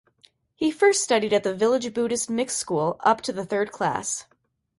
He first studied at the village Buddhist mixed school up to the third class.